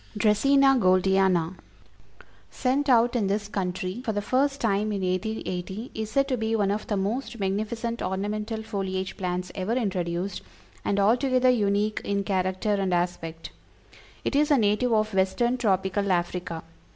_ DRACÆNA GOLDIANA. Sent out in this country for the first time in 1880, is said to be "one of the most magnificent ornamental foliage plants ever introduced, and altogether unique in character and aspect. It is a native of Western Tropical Africa.